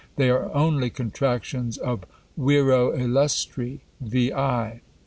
They are only contractions of Viro Illustri V I.